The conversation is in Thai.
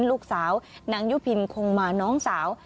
ลูกสาวนางยุพินคงมาน้องสาว